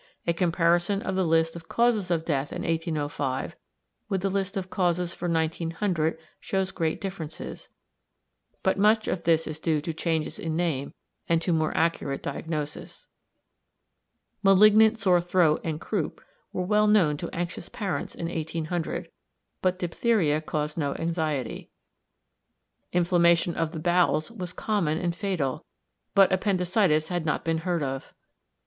A comparison of the list of causes of death in 1805 with the list of causes for 1900 shows great differences, but much of this is due to changes in name and to more accurate diagnosis. "Malignant sore throat" and "croup" were well known to anxious parents in 1800, but "diphtheria" caused no anxiety. "Inflammation of the bowels" was common and fatal, but "appendicitis" had not been heard of.